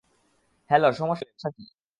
Hello, সমস্যা কী?